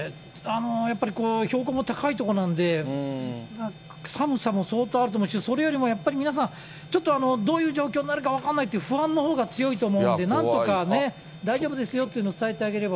やっぱり標高も高い所なんで、寒さも相当あると思うし、それよりもやっぱり皆さん、ちょっとどういう状況になるか分かんないっていう不安のほうが強いと思うんで、なんとか大丈夫ですよっていうのを伝えてあげれば。